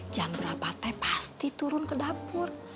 jam berapa teh pasti turun ke dapur